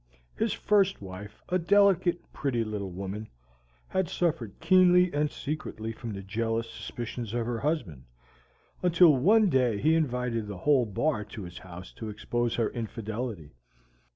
His first wife, a delicate, pretty little woman, had suffered keenly and secretly from the jealous suspicions of her husband, until one day he invited the whole Bar to his house to expose her infidelity.